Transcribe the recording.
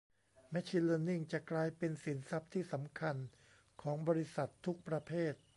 แมชชีนเลิร์นนิ่งจะกลายเป็นสินทรัพย์ที่สำคัญของบริษัททุกประเภท